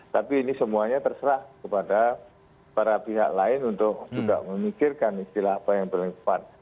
tapi ini semuanya terserah kepada para pihak lain untuk juga memikirkan istilah apa yang berlengkapan